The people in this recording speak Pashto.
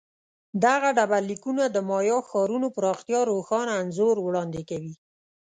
دغه ډبرلیکونه د مایا ښارونو پراختیا روښانه انځور وړاندې کوي